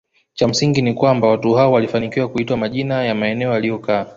Cha msingi ni kwamba watu hao walifanikiwa kuitwa majina ya maeneo waliyokaa